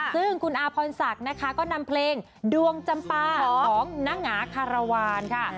ซึ่งคุณอาพรศักดิ์นะคะก็นำเพลงดวงจำปาของนางหงาคารวาลค่ะ